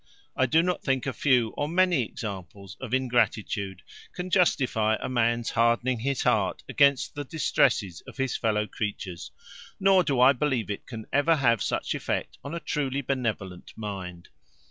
I do not think a few or many examples of ingratitude can justify a man's hardening his heart against the distresses of his fellow creatures; nor do I believe it can ever have such effect on a truly benevolent mind.